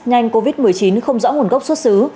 nhanh covid một mươi chín không rõ nguồn gốc xuất xứ